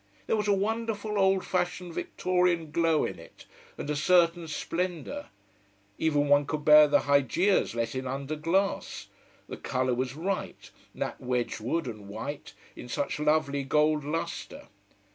There was a wonderful old fashioned, Victorian glow in it, and a certain splendour. Even one could bear the Hygeias let in under glass the colour was right, that wedge wood and white, in such lovely gold lustre.